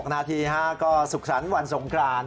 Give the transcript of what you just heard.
๒๖นาทีฮะก็ศุกรรณวันสงคราน